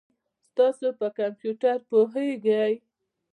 تاسو په کمپیوټر پوهیږئ؟